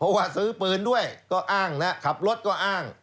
เพราะว่าซื้อปืนด้วยก็อ้างนะขับรถก็อ้าง